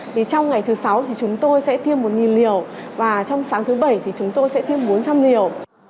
thì trong ngày thứ sáu thì chúng tôi sẽ tiêm một liều và trong sáng thứ bảy thì chúng tôi sẽ tiêm bốn trăm linh liều